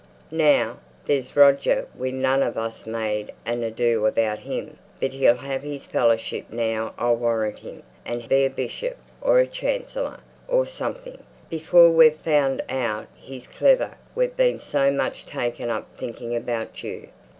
Now, there's Roger we none of us made an ado about him; but he'll have his Fellowship now, I'll warrant him, and be a bishop, or a chancellor, or something, before we've found out he's clever we've been so much taken up thinking about you.